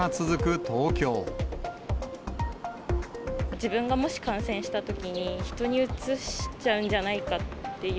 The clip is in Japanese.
自分がもし感染したときに、人にうつしちゃうんじゃないかっていう、